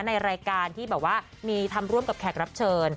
ในรายการที่แบบว่ามีทำร่วมกับแขกรับเชิญ